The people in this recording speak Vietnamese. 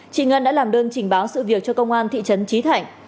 chị ngân đã làm đơn trình báo sự việc cho công an thị trấn trí thạnh